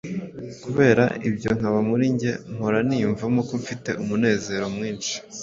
Kubera ibyo nkaba muri jye mpora niyumvamo ko mfite umunezero mwinshi